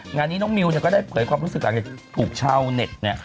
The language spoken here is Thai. งานนี้น้องมิวเนี่ยก็ได้เผยความรู้สึกหลังจากถูกชาวเน็ตเนี่ย